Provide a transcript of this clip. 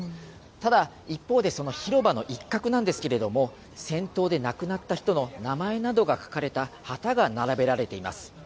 ただ、一方で広場の一角なんですが戦闘で亡くなった人の名前などが書かれた旗が並べられています。